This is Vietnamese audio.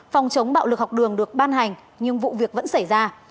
phòng chống bạo lực học đường được ban hành nhưng vụ việc vẫn xảy ra